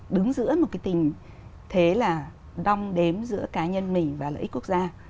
đứng giữa một cái tình thế là đong đếm giữa cá nhân mình và lợi ích quốc gia